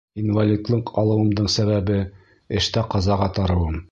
Инвалидлыҡ алыуымдың сәбәбе — эштә ҡазаға тарыуым.